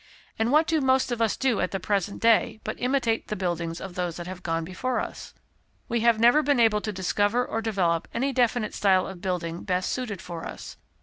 And what do most of us do at the present day but imitate the buildings of those that have gone before us? We have not even been able to discover or develope any definite style of building best suited for us.